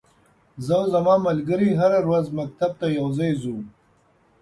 زه او ځما ملګری هره ورځ مکتب ته یوځای زو.